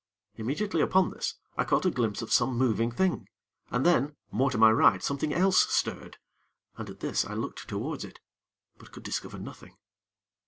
Immediately upon this, I caught a glimpse of some moving thing, and then, more to my right, something else stirred, and at this, I looked towards it; but could discover nothing.